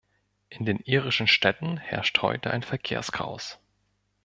In den irischen Städten herrscht heute ein Verkehrschaos.